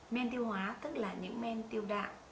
men tiêu hóa tức là những men tiêu đạm